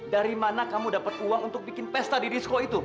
dari mana kamu dapat uang untuk bikin pesta di disco itu